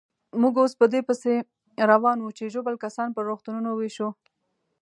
موږ اوس په دې پسې روان وو چې ژوبل کسان پر روغتونو وېشو.